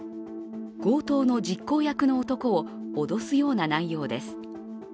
強盗の実行役の男を脅すような内容です。